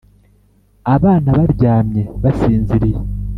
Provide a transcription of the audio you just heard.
abana baryamye, basinziriye.